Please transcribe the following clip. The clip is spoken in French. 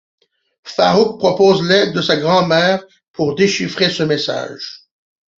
Farouk propose l'aide de sa grand-mère pour déchiffrer ce message.